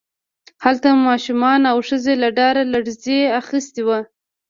هلته ماشومان او ښځې له ډاره لړزې اخیستي وو